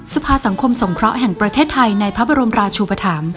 สภาสังคมสงเคราะห์แห่งประเทศไทยในพระบรมราชูปธรรม